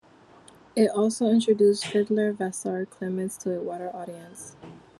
It also introduced fiddler Vassar Clements to a wider audience.